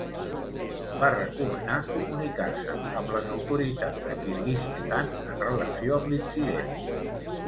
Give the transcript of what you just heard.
Va recomanar comunicar-se amb les autoritats de Kirguizistan en relació amb l'incident.